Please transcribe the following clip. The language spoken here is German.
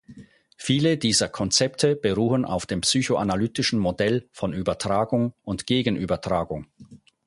Viele dieser Konzepte beruhen auf dem psychoanalytischen Modell von Übertragung und Gegenübertragung.